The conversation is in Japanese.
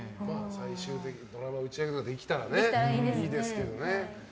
最終的にドラマの打ち上げができたらいいですけどね。